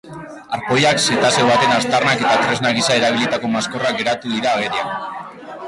Arpoiak, zetazeo baten aztarnak eta tresna gisa erabilitako maskorrak geratu dira agerian.